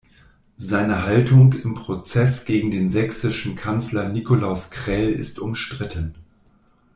Seine Haltung im Prozess gegen den sächsischen Kanzler Nikolaus Krell ist umstritten.